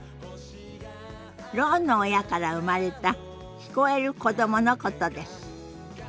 ろうの親から生まれた聞こえる子どものことです。